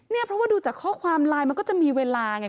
เพราะว่าดูจากข้อความไลน์มันก็จะมีเวลาไง